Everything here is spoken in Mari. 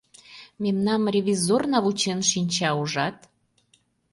Мемнам ревизорна вучен шинча, ужат.